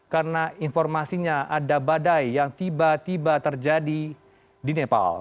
karena informasinya ada badai yang tiba tiba terjadi di nepal